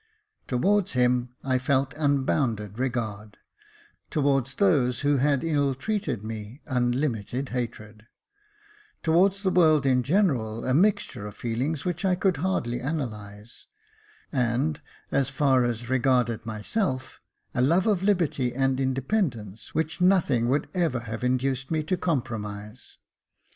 Towards him I felt unbounded regard — towards those who had ill Jacob Faithful 221 treated me unlimited hatred ; towards the world in general a mixture of feeling which I could hardly analyse ; and, as far as regarded myself, a love of liberty and independence, which nothing would ever have induced me to compromise.